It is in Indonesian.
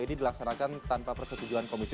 ini dilaksanakan tanpa persetujuan komisi